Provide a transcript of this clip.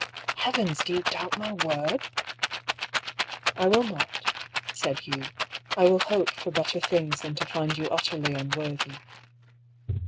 Heavens ! do you doubt my word ?"" I will not," said Hugh. " I will hope for better things than to find you utterly unworthy."